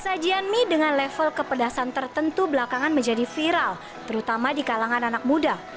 sajian mie dengan level kepedasan tertentu belakangan menjadi viral terutama di kalangan anak muda